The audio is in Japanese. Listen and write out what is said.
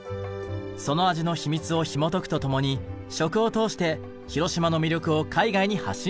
その味の秘密をひもとくと共に食を通して広島の魅力を海外に発信しました。